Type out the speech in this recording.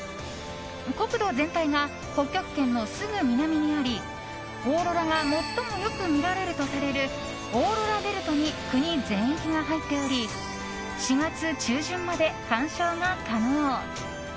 国土全体が北極圏のすぐ南にありオーロラが最も良く見られるとされるオーロラベルトに国全域が入っており４月中旬まで鑑賞が可能。